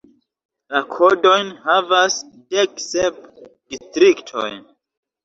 La kodojn havas dek sep distriktoj.